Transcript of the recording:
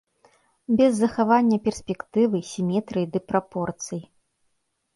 Без захавання перспектывы, сіметрыі ды прапорцый.